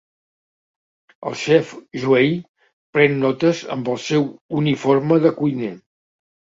El xef Joey pren notes amb el seu uniforme de cuiner.